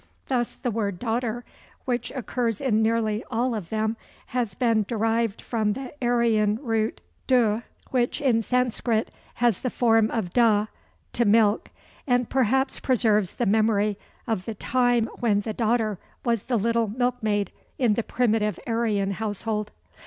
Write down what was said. Thus the word daughter, which occurs in nearly all of them, has been derived from the Aryan root dugh, which in Sanscrit has the form of duh, to milk; and perhaps preserves the memory of the time when the daughter was the little milkmaid in the primitive Aryan household.